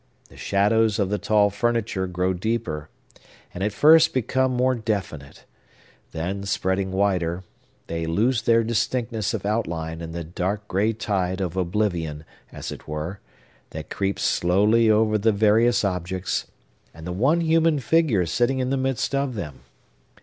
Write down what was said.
The shadows of the tall furniture grow deeper, and at first become more definite; then, spreading wider, they lose their distinctness of outline in the dark gray tide of oblivion, as it were, that creeps slowly over the various objects, and the one human figure sitting in the midst of them.